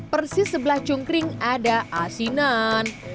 persis sebelah cungkring ada asinan